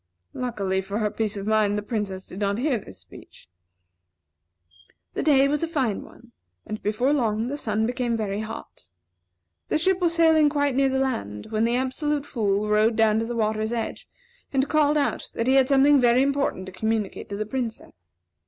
Luckily for her peace of mind, the Princess did not hear this speech. The day was a fine one, and before long the sun became very hot. The ship was sailing quite near the land, when the Absolute Fool rode down to the water's edge, and called out that he had something very important to communicate to the Princess.